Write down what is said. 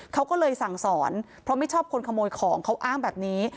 เขาก็เลยสั่งสอนเพราะไม่ชอบคนขโมยของเขาอ้างแบบนี้